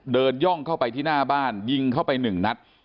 ย่องเข้าไปที่หน้าบ้านยิงเข้าไปหนึ่งนัด